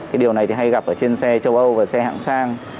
cái điều này thì hay gặp ở trên xe châu âu và xe hạng sang